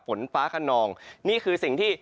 ฝนฟ้าขนองนี่คือสิ่งที่